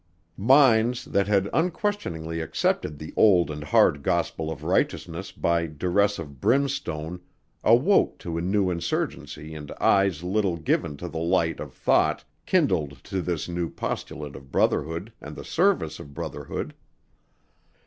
Minds that had unquestioningly accepted the old and hard gospel of righteousness by duress of brimstone awoke to a new insurgency and eyes little given to the light of thought kindled to this new postulate of brotherhood and the service of brotherhood.